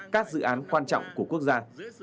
các dự án quan trọng của quốc gia